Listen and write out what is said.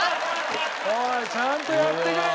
おいちゃんとやってくれよ！